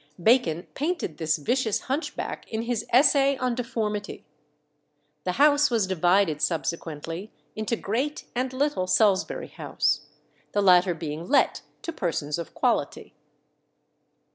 Bacon painted this vicious hunchback in his Essay on Deformity. The house was divided subsequently into Great and Little Salisbury House the latter being let to persons of quality.